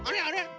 あれ？